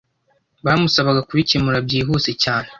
bamusaba kubikemura byihuse cyane